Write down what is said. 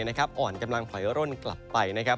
อ่อนกำลังถอยร่นกลับไปนะครับ